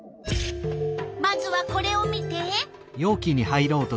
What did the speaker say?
まずはこれを見て！